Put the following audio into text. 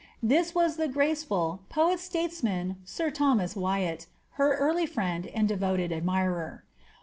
This was the graceful poet statesman, sir Thomas Wyatt, her early friend and de ToteS admirer.